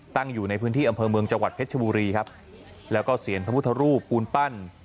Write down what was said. อยู่ในพื้นที่อำเภอเมืองจังหวัดเพชรชบุรีครับแล้วก็เซียนพระพุทธรูปปูนปั้น